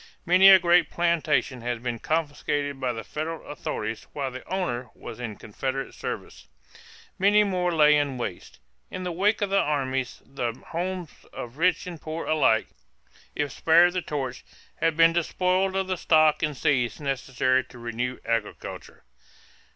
Many a great plantation had been confiscated by the federal authorities while the owner was in Confederate service. Many more lay in waste. In the wake of the armies the homes of rich and poor alike, if spared the torch, had been despoiled of the stock and seeds necessary to renew agriculture.